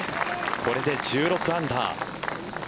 これで１６アンダー。